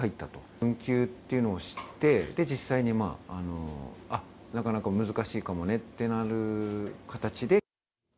運休っていうのを知って、実際に、あっ、なかなか難しいかもねってなる形で。